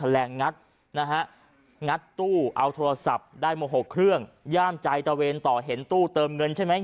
แรงงัดนะฮะงัดตู้เอาโทรศัพท์ได้มาหกเครื่องย่ามใจตะเวนต่อเห็นตู้เติมเงินใช่ไหม